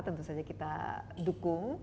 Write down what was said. tentu saja kita dukung